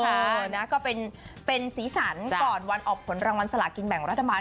เออนะก็เป็นสีสันก่อนวันออกผลรางวัลสลากินแบ่งรัฐบาล